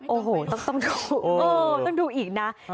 โอ้โหต้องดูต้องดูอีกนะ